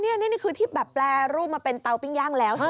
อ๋ออันนี้คือที่แบบแปลรูปมาเป็นเตาปิ้งย่างแล้ว